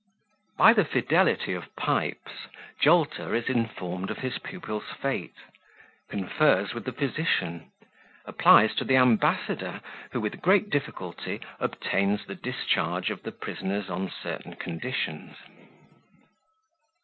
By the Fidelity of Pipes, Jolter is informed of his Pupil's fate Confers with the Physician Applies to the Ambassador, who, with great difficulty, obtains the Discharge of the Prisoners on certain Conditions.